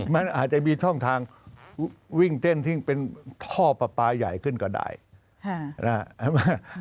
มันอาจจะมีช่องทางวิ่งเต้นซึ่งเป็นท่อปลาปลาใหญ่ขึ้นก็ได้